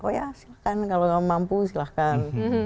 oh ya silahkan kalau nggak mampu silahkan